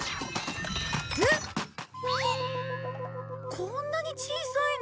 こんなに小さいの。